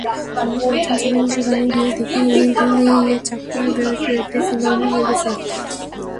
আমরা কয়েকজন যুবক সেখানে গিয়ে দেখি, দুধহিয়ে চাকমার বাড়িটি ছিন্নভিন্ন হয়ে গেছে।